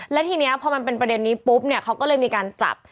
และทีนี้พอมันเป็นประเด็นนี้ปุ๊บเนี่ยเขาก็เลยมีการจับ